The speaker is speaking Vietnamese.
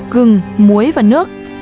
gừng muối và nước